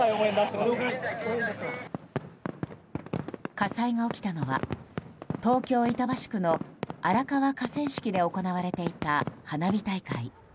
火災が起きたのは東京・板橋区の荒川河川敷で行われていた花火大会。